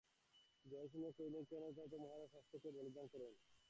জয়সিংহ কহিলেন, কেন র যথার্থ মহারাজ, শাস্ত্রে তো বলিদানের ব্যবস্থা আছে।